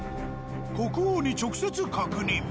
［国王に直接確認］